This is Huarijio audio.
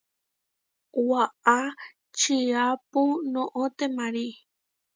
Waʼá čiápu noʼó temarí.